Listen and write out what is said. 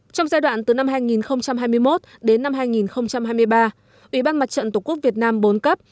trong giai đoạn từ năm hai nghìn hai mươi một đến năm hai nghìn hai mươi ba ủy ban mặt trận tổ quốc việt nam bốn cấp